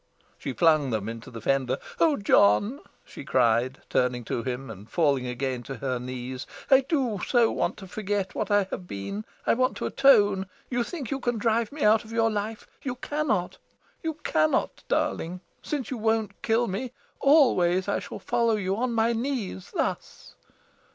She flung them into the fender. "Oh John," she cried, turning to him and falling again to her knees, "I do so want to forget what I have been. I want to atone. You think you can drive me out of your life. You cannot, darling since you won't kill me. Always I shall follow you on my knees, thus."